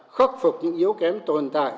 khắc phục những yếu kém tồn tại trong lãnh đạo